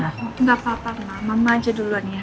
gak apa apa mbak mama aja duluan ya